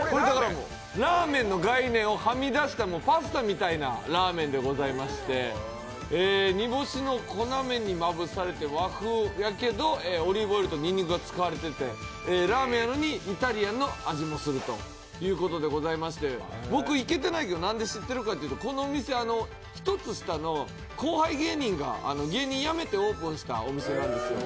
ラーメンの概念をはみ出したパスタみたいなラーメンでして、煮干しの粉をまぶされて和風だけどオリーブオイルとにんにくが使われていてラーメンやのに、イタリアンの味もするということで、僕、行けてないけど、なんで知ってるかというと、１つ下の後輩芸人が芸人を辞めてオープンしたお店なんですよ。